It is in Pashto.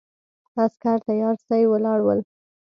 عسکر تیارسي ولاړ ول.